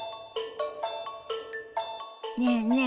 ねえねえ